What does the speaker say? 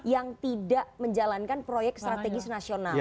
yang tidak menjalankan proyek strategis nasional